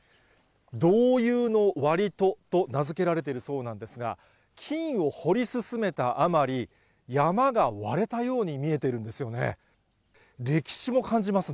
道遊の割戸と名付けられてるそうなんですが、金を掘り進めたあまり、山が割れたように見えてるんですよね。